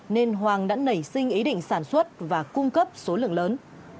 nên hoàng đã nảy sinh ý định sản xuất và cung cấp số lượng lớn